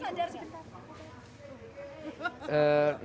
kalau nangisnya sadar gak